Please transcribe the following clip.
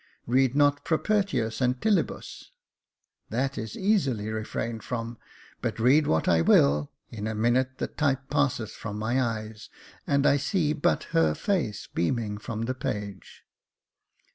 ' Read not Propertius and Tibullus,^ — that is easily refrained from ; but read what I will, in a minute the type passeth from my eyes, and I see but her face beaming from the page.